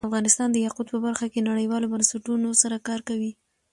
افغانستان د یاقوت په برخه کې نړیوالو بنسټونو سره کار کوي.